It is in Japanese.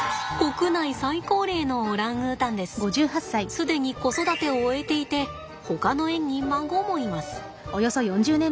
既に子育てを終えていてほかの園に孫もいます。